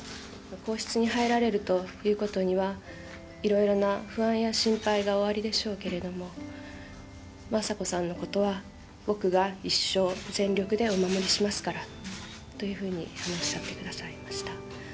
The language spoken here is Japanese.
皇室に入られるということには、いろいろな不安や心配がおありでしょうけれども、雅子さんのことは僕が一生、全力でお守りしますからというふうにおっしゃってくださいました。